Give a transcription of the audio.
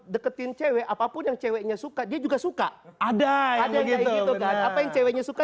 deketin cewek apapun yang ceweknya suka dia juga suka ada adanya gitu kan apa yang ceweknya suka